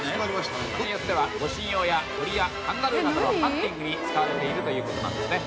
護身用や鳥やカンガルーなどのハンティングに使われているということなんですね。